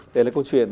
đấy là câu chuyện